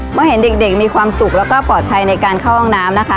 เมื่อเห็นเด็กมีความสุขแล้วก็ปลอดภัยในการเข้าห้องน้ำนะคะ